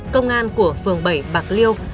công an của phường bảy bạc liêu